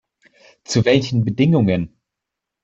Zu welchen Bedingungen?